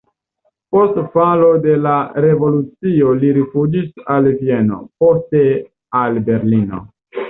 Post falo de la revolucio li rifuĝis al Vieno, poste al Berlino.